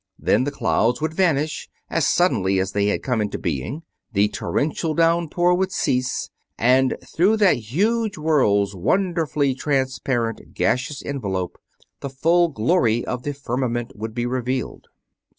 Then the clouds would vanish as suddenly as they had come into being, the torrential downpour would cease, and through that huge world's wonderfully transparent gaseous envelope the full glory of the firmament would be revealed.